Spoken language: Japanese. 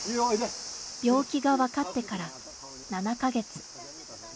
病気が分かってから７か月。